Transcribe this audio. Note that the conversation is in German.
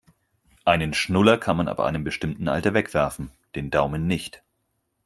Einen Schnuller kann man ab einem bestimmten Alter wegwerfen, den Daumen nicht.